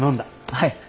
はい。